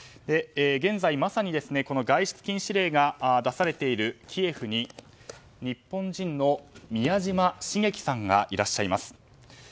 現在、まさに外出禁止令が出されているキエフに日本の宮嶋茂樹さんがいらっしゃいます。